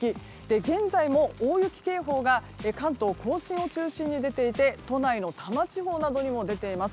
現在も大雪警報が関東・甲信を中心に出ていて都内の多摩地方などにも出ています。